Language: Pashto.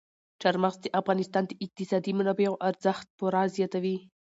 چار مغز د افغانستان د اقتصادي منابعو ارزښت پوره زیاتوي.